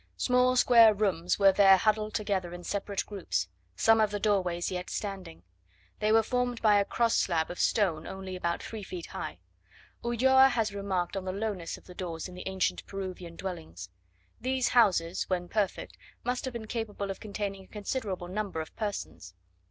Small square rooms were there huddled together in separate groups: some of the doorways were yet standing; they were formed by a cross slab of stone only about three feet high. Ulloa has remarked on the lowness of the doors in the ancient Peruvian dwellings. These houses, when perfect, must have been capable of containing a considerable number of persons.